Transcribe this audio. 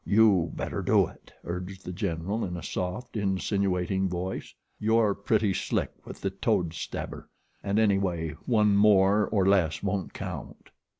"You better do it," urged The General, in a soft, insinuating voice. "You're pretty slick with the toad stabber, an' any way one more or less won't count."